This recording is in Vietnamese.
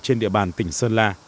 trên địa bàn tỉnh sơn la